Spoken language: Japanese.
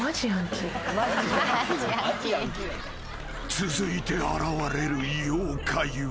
［続いて現れる妖怪は］